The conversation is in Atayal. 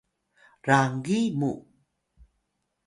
rangi mu